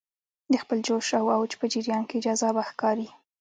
د خپل جوش او اوج په جریان کې جذابه ښکاري.